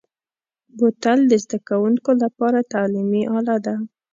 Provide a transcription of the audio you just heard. بوتل د زده کوونکو لپاره تعلیمي اله ده.